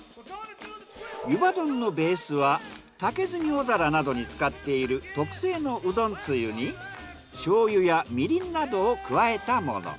ゆば丼のベースは竹炭おざらなどに使っている特製のうどんつゆに醤油やみりんなどを加えたもの。